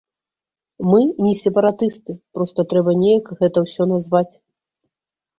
Мы не сепаратысты, проста трэба неяк гэта ўсё назваць.